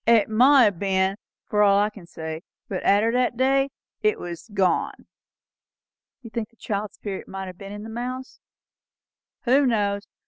It mought ha' ben, for all I can say; but arter that day, it was gone." "You think the child's spirit might have been in the mouse?" "Who knows?